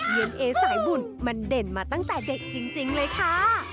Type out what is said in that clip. เย็นเอสายบุญมันเด่นมาตั้งแต่เด็กจริงเลยค่ะ